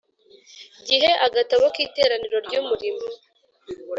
gihe agatabo k iteraniro ry umurimo